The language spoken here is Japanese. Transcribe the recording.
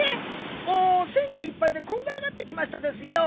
もうせんがいっぱいでこんがらがってきましたですよ。